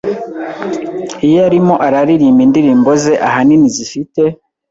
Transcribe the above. iyo arimo araririmba indirimbo ze ahanini zifite